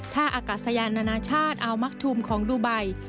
ท่าอากาศยานานาชาติอัลมักทูมของดูไบ